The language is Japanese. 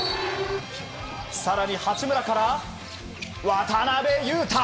更に八村から渡邊雄太！